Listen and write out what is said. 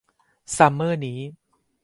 ซัมเมอร์นี้